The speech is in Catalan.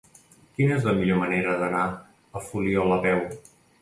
Quina és la millor manera d'anar a la Fuliola a peu?